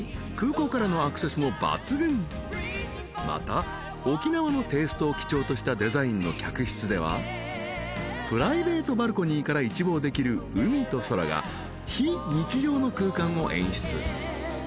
［また沖縄のテイストを基調としたデザインの客室ではプライベートバルコニーから一望できる海と空が非日常の空間を演出］